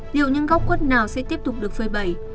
liệu những góc quất nào sẽ tiếp tục được phơi bầy